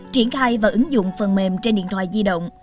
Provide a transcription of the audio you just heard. triển khai và ứng dụng phần mềm trên điện thoại di động